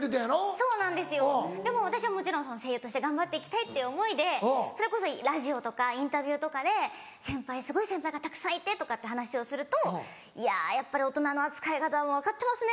そうなんですでも私はもちろん声優として頑張って行きたいっていう思いでそれこそラジオとかインタビューとかで「すごい先輩がたくさんいて」とかって話をすると「いややっぱり大人の扱い方を分かってますね」